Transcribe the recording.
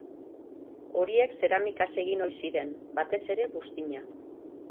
Horiek zeramikaz egin ohi ziren, batez ere buztina.